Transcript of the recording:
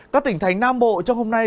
các tỉnh thành nam bộ trong hôm nay